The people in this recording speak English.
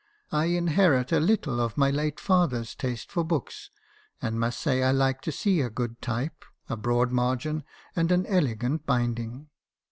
'I inherit a little of my late father's taste for books, and must say I like to see a good type, a broad margin , and an elegant binding.